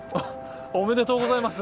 おめでとうございます！